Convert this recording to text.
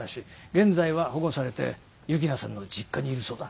現在は保護されて幸那さんの実家にいるそうだ。